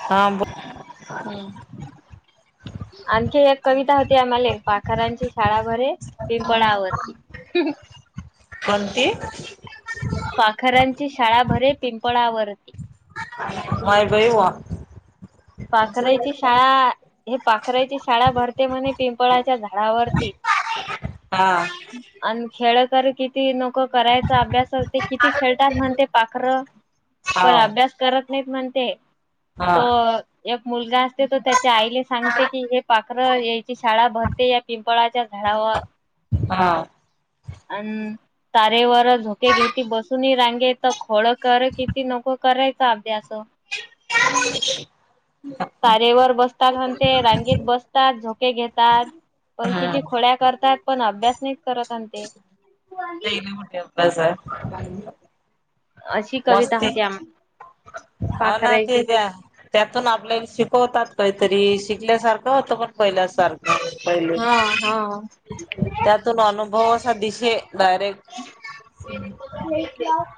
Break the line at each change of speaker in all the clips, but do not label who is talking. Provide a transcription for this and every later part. हा, बो
हम, आणखी एक कविता होती आम्हाले. पाखरांची शाळा भरे पिंपळावरती. ह ह
कोणती?
पाखरांची शाळा भरे पिंपळावरती.
माय बाई व्वा.
पाखराची शाळा, हे पाखराची शाळा भरते म्हणे पिंपळाच्या झाडावरती.
हा,
आणि खेळ कर किती नोक करायचा अभ्यास ते किती खेळतात म्हणते पाखरं.
[inaudible]
पण अभ्यास करत नाहीत म्हणते.
हा
तो एक मुलगा असते. तो त्याच्या आईला सांगते की, हे पाखर यायची शाळा भरते पिंपळाच्या झाडावर
हा,
अन तारेवर झोके घेती बसूनी रांगेत. खोळ कर किती नको करायचा अभ्यास.
का म्हणली?
तारेवर बसतांनते रांगीत बसतात झोके घेतात. पण
हम्म
किती खोड्या करतात. पण अभ्यास नाही करत आण ते. [unintelligible]
[unintelligible] सर
अशी कविता
मस्ती,
होती आम
हो न
पाखरायची
ते त्या त्यातून आपल्याले शिकवतात काहीतरी शिकल्यासारखं होतं पण पहिल्या सारखं पहिले,
हा हा.
त्यात त अनुभव असा दिशे डायरेक्ट
लाईट लाव?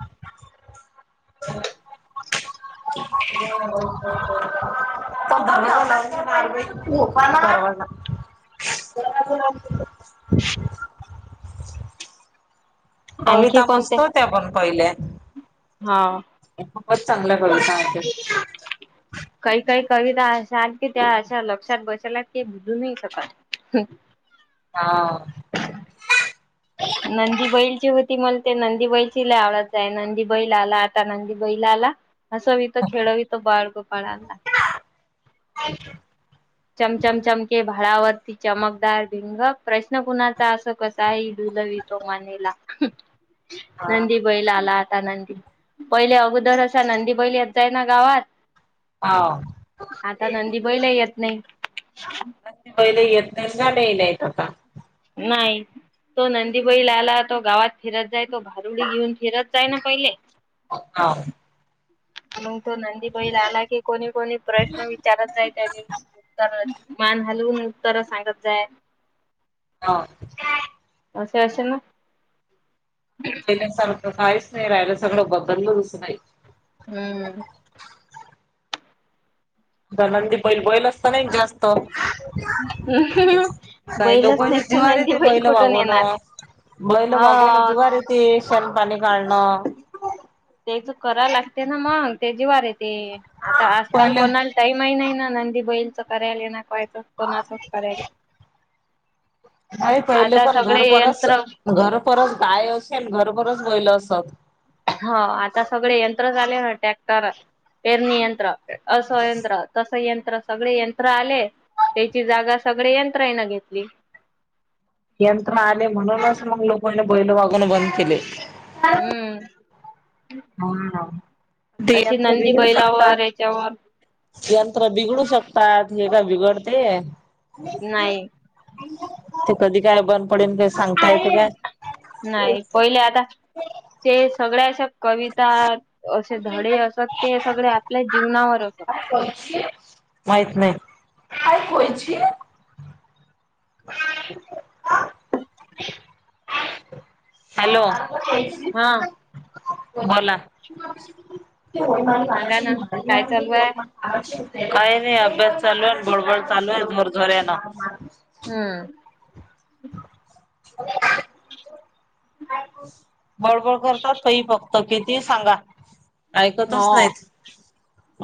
[unintelligible] [unintelligible] [unintelligible]
आणखी
कविता मस्त होत्या पण पहिले.
हाव.
खूपच चांगल्या कविता होत्या.
काही काही कविता अशा की त्या, अशा लक्षात बसेल आहेत कि, बुजू नाही शकत.
हा,
नंदी बैलची होती मला, ते नंदी बैलची लय ती आवडत जाय. नंदी बैल आला आता, नंदी बैल आला. हसंवीतो, खेळवीतो, बाळगोपाळांना.
[inaudible]
चमचम चमके भाळावरती चमकदार भिंग, प्रश्न कुणाचा असो कसा ही डुलवीतो मानेला. [inaudible]
हा
नंदी बैल आला आता नंदी. पहिले अगोदर असा नंदी बैल येत जाय ना गावात
हाव
आता नंदी बैल ही येत नाही.
नंदी बैलही येत नाही. गाणं ही नाही आता.
नाही. तो नंदी बैल आला. तो गावात फिरत जाय. तो भारुडी घेऊन फिरत जाय ना पहिले.
हाव.
मंग तो नंदी बैल आला की, कोणी कोणी प्रश्न विचारत जाय त्याले. तर मान हलवून उत्तर सांगत जाय.
हां.
असे असेल ना.
पहिल्यासारखं काहीच नाही राहायल, सगळं बदललस अस नाही.
हुं.
तर नंदी बैल, बैल असताना एक जास्त काही
बैलच नाही
लोकांच्या
तर
जिवावर
नंदी
येते बैल
कुठून
वागवण.
येणार
बैलं वागवण
हो.
जीवावर येते, शेन पाणी काढणं.
तेच करा लागते ना मग, ते जीवार येते. आता आजकाल
पहिले
कोणाला टाईमही नाही ना, नंदी बैलच करायल ना, कायचच, कोणाचच करायले.
नाही पहिले
आता
पण घर
सगळे
परस,
यंत्र
घर परस गाय असेल, घर परस बैलं असत.
हो आता सगळे यंत्र झाले ना, ट्रॅक्टर पेरणी यंत्र, अस यंत्र तस यंत्र सगळे यंत्र आले, तेची जागा सगळे यंत्रायण घेतली.
यंत्रना आले म्हणूनच मग लोकांनी बैल वागवन बंद केले.
हुं.
हा हा. ते आपल
नंदी
बिघडू शकतात.
बैलावर याच्यावर
यंत्र बिघडू शकतात. हे का बिघडते?
नाही
ते कधी काय बंद पडेन ते काय सांगता येत काय.
नाही. पहिले आता ते सगळे आशा कविता, असे धडे असत, ते सगळे आपल्या जीवनावर असत.
[unintelligible] माहित नाही. [unintelligible] [inaudible] [inaudible] हॅलो.
हा.
बोला. [unintelligible]
सांगा ना काय चालू आहे
काही नाही, अभ्यास चालू हाय. बडबड चालू हाय जोर जोऱ्यान.
हुं.
[inaudible] बडबड करतात पही फक्त, किती सांगा ऐकतच
हो
नाहीत.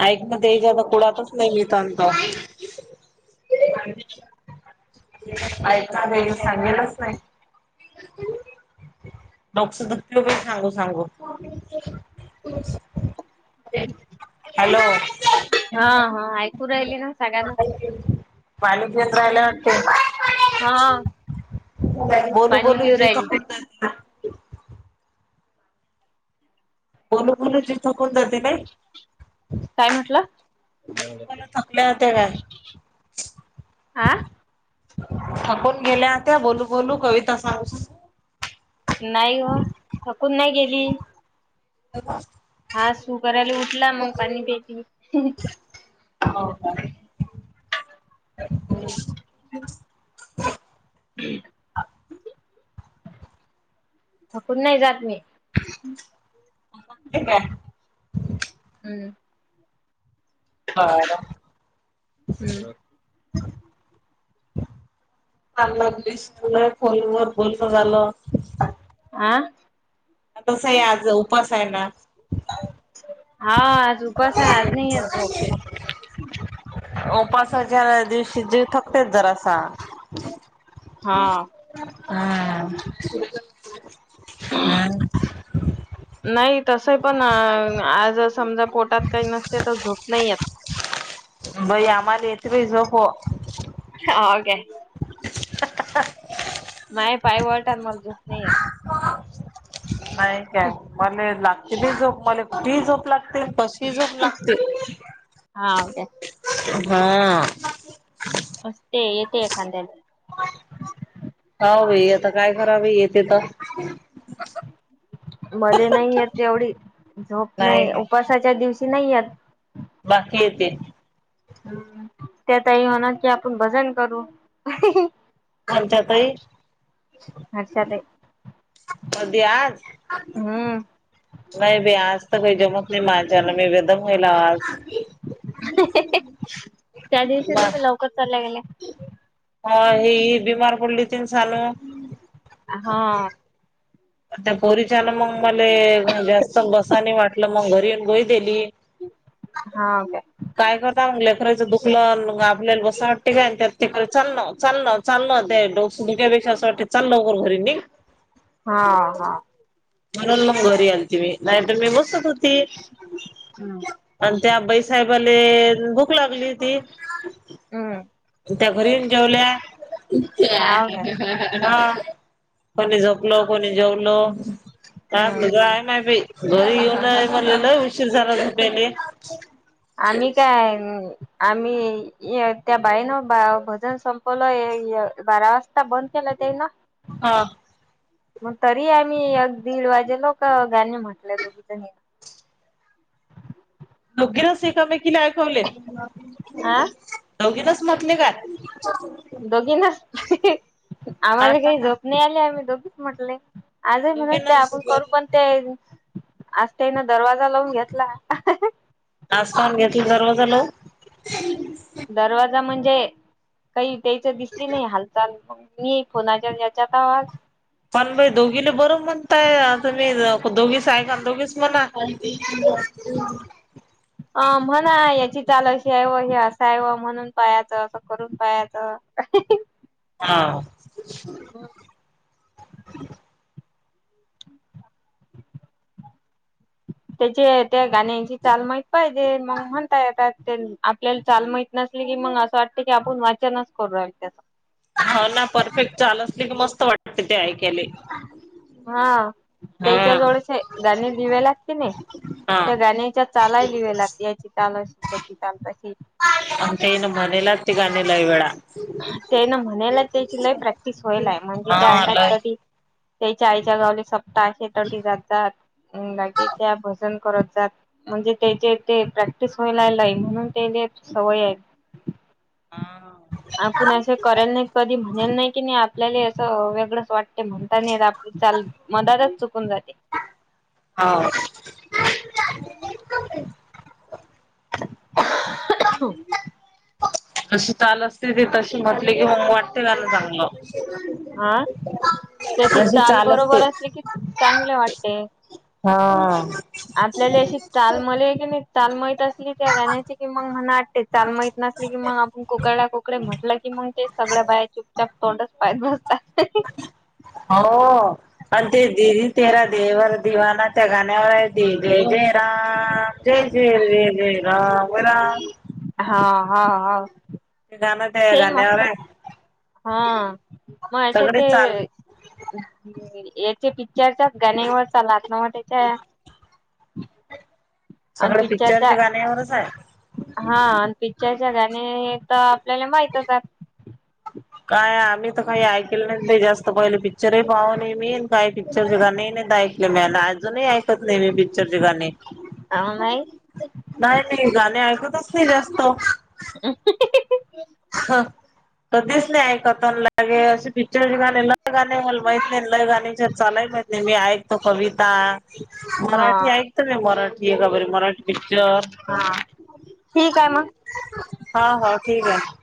ऐक ना तेच्यातच पुढ [unintelligible] ऐका [unintelligible] सांगेलच नाही. [unintelligible] सांगू सांगू हॅलो
हा हा ऐकू राहिली ना सगळ्यांना
पाणी पिऊन राहायला वाटते
हा
बोलू
पाणी
बोलू
पिऊ
जीव
राहिली
तुटतो. [inaudible] बोलू बोलूच जिव थकून जाते नाय.
काय म्हंटला
थकल्या होत्या काय
आ
थकून गेल्या होत्या बोलू बोलू कविता सांगू
नाही ओ थकून नाही गेली.
[unintelligible]
हा सुू करायला उठला मग पाणी प्यायच.
हो का. [inaudible]
थकून नाही जात मी.
[unintelligible]
हम्म
हां हां
हम्म
चांग [unintelligible] लागलीस तूला फोन वर बोलण झाल.
आं
तसही आज उपास आहे ना?
हां आज उपास आहे आज नाही येत झोप.
उपासाच्या दिवशी जीव थकतेच जरासा.
हां
हां हां
नाही तस पण आज समजा पोटात काही नसते तर झोप नाही येत.
बई आम्हाला येते बाई झोप.
हो काय.
[inaudible]
माये पाय वर [unintelligible] मला झोप नाही येत.
नाही काय मला लागते बाई झोप मला कुठेही झोप लागते. तशी झोप लागते
हा काय असते येते एखांद्याला
हव बाई आता काय कराव बाई येते तर.
मले नाही येत तेवढी झोप नाही उपसाच्या दिवशी नाही येत.
बाकी येते.
त्यातही होणार की आपण भजन करू.
त्यांच्यातही
अच्छा ते
कधी आज?
हम्म
नाही बाई आज तर काही जमत नाही माझ्याला मी बेदम होईल आज.
त्या दिवशी तुम्ही लवकर चालल्या गेल्या.
हो ही बीमार पडली होती ना सानू.
हां
त्या पोरीच्यान मग मले जास्त बसाने वाटलं मग घरी येऊन गोळी दिली.
हा काय?
काय करता मग लेकराचं दुखलं मग आपल्याला बसावं वाटती काय त्यात ठिक चालण चालण [unintelligible] असं वाटत चाल लवकर घरी निघ.
हा हा.
म्हणून मग घरी आलती मी नाही तर मी बसत होती.
हम्म.
आणि त्या बाई साहेबाले भूक लागली होती.
हम्म.
त्या घरी येऊन जेवल्या
हाव काय
हा कोणी झोपलो, कोणी जेवलो. आपलं
हम्म.
काय नाही बाई घरी येऊन मलेलं उशीर झाला झोपायले
आम्ही काय आम्ही त्या बाईनं बा भजन संपवलं बारा वाजता बंद केलं ते ना
हा.
मग तरी आम्ही दीड वाजेलो का गानी म्हटलेय दोघी जणी.
[unintelligible] ऐकवले?
हा
दोघीनच म्हटले का?
दोघी ना आम्हाला
आता
काही
ना
झोप नाही आले आम्ही दोघीच म्हटले. आजही म्हणत ते
दोघीनच
आपण करू पण ते असतंय ना दरवाजा लावून घेतला.
आज [unintelligible] दरवाजा लाऊ.
दरवाजा म्हणजे काही त्यायचं दिसली नाही हालचाल? मी फोनाच्या याच्या [unintelligible]
पण बाई दोघीला बरं म्हणताय तुम्ही दोघीचाय दोघीच म्हणा. [inaudible]
अ म्हणा याची चाल अशी आहे व हे असा आहे व म्हणून पायाचं असं करून पायाचं.
हा.
त्याची त्या गाण्याची चाल माहित पाहिजे मग म्हणताय येतात त्यानं आपल्याला चाल माहित नसले की मग असं वाटत की आपण वाचनच करू राहिलो त्यात.
हाव ना परफेक्ट चाल असली की मस्त वाटते ते ऐकायले.
हा
हा
त्याच्या जवळचे गाणी [unintelligible] लागते क नाही?
हा
त्या गाण्याच्या चालाय [unintelligible] लागते याची चाल अशी त्याची चाल तशी.
आमच्या इन मानय लागते लयवेळा.
ते ना म्हणयला त्याची लय प्रॅक्टिस होईलाय म्हणजे त्या
हा
अंत
लय
कधी त्याच्या आईच्या गावले सप्ता असते तटी जातात लागे त्या भजन करतात. म्हणजे त्याचे ते प्रॅक्टिस व्हायलाला म्हणून ते सवय आहे. आपण
हम्म.
असे करेल नाही कधी म्हणेल नाही की नाही आपल्याला असं वेगळंच वाटते म्हणता नाही आपली चाल. [unintelligible] चुकून जाते.
हाव.
[inaudible]
तशी चाल असते ते तशी म्हटले की मग वाटते गाणं चांगलं.
आ त्याची
जशी
चाल
असते.
बरोबर असली की चांगले वाटते.
हा.
आपल्याला अशी चाल [unintelligible] आहे की नाही चाल माहीत की त्या गाण्याची की मग म वाटते चाल माहत नसली की मग आपण को कडा कुकडे म्हटलं की मग ते सगळ्या बाया चुपचाप तोंडात पाायद घालता
आओ अ ते दिदी तेरा देवर दिवाना त्या गाण्यावर आहे ते जयजय राम जय, जय, जय, जय रामराम
हा, हा, हा
गाणं त्या
ते ही
गाण्यावर
मस्त
आहे.
हा
सगळे
मायसाठी
चाल
ह् याचे पिक्चरच्याच गाण्यावर चा नाच त्याच्या आणि
सगळे
पिक्चरच्या
पिक्चरचे गाण्या एवढंच आहे
हा पिक्चरच्या गाणे हे तर आपल्याला माहितच हाय
काय आम्ही तर काही ऐकल नाही, नाही जास्त पहिले पिक्चरही पाहु नाही मी काही पिक्चरचे गाणे नाही ऐकले म अजूनही ऐकत नाही मी पिक्चरचे गाणे
आव नाई
नाही मी गाणे ऐकतच नाही जास्त
ह
ह कधीच नाही ऐकत लागे असशीक गाणे ल गाणे मला माहित नाही ल गाणे चालाय माहित नाही मी ऐकतो कविता
हा
मराठी ऐकत म मराठी आहे का बर मराठी
हा
पिक्चर
ठीक आहे मग
हा, हा ठीक आहे